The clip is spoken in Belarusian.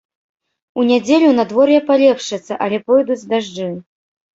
У нядзелю надвор'е палепшыцца, але пойдуць дажджы.